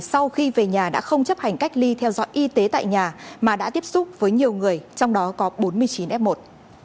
sau khi về nhà đã không chấp hành cách ly theo dõi y tế tại nhà mà đã tiếp xúc với nhiều người trong đó có bốn mươi chín f một